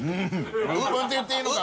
鬱憤って言っていいのか。